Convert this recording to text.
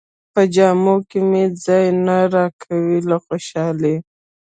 په جامو کې مې ځای نه راکاوه له خوشالۍ.